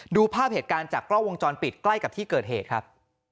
ดูภาพเหตุการณ์จากกล้องวงจรปิดใกล้กับที่เกิดเหตุครับ